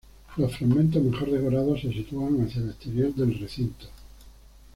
Los fragmentos mejor decorados se sitúan hacia el exterior del recinto.